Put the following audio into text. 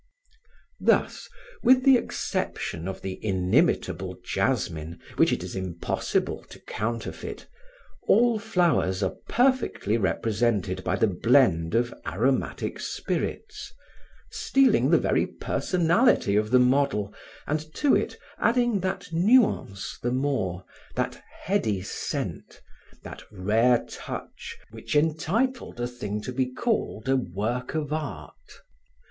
Thus, with the exception of the inimitable jasmine which it is impossible to counterfeit, all flowers are perfectly represented by the blend of aromatic spirits, stealing the very personality of the model, and to it adding that nuance the more, that heady scent, that rare touch which entitled a thing to be called a work of art.